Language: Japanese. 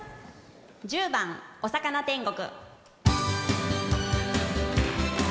１０番「おさかな天国」。